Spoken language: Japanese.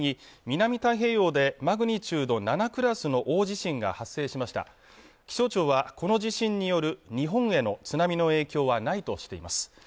南太平洋でマグニチュード７クラスの大地震が発生しました気象庁はこの地震による日本への津波の影響はないとしています